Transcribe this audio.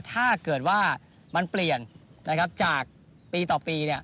ถ้าเกิดว่ามันเปลี่ยนจากปีต่อปี